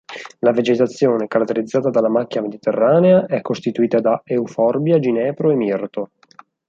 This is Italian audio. La vegetazione, caratterizzata dalla macchia mediterranea, è costituita da euforbia, ginepro e mirto.